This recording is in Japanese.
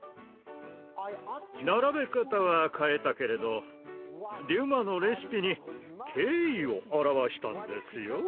並べ方は変えたけれどデュマのレシピに敬意を表したんですよ。